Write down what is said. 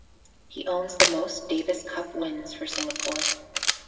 He owns the most Davis Cup wins for Singapore.